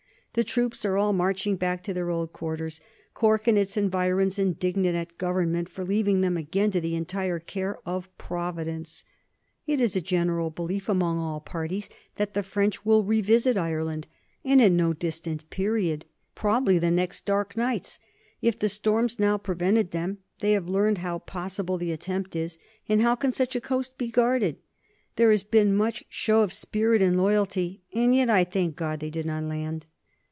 The troops are all marching back to their old quarters; Cork and its environs indignant at Government for leaving them again to the entire care of Providence. ... It is a general belief among all parties that the French will revisit Ireland, and at no distant period probably the next dark nights. If the storms now prevented them they have learned how possible the attempt is, and how can such a coast be guarded? There has been much show of spirit and loyalty, and yet I thank God they did not land!"